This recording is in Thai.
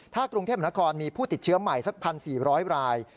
ถ้ากรุงเทพนครมีผู้ติดเชื้อใหม่สัก๑๔๐๐ราย